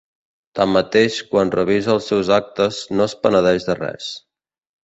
Tanmateix, quan revisa els seus actes, no es penedeix de res.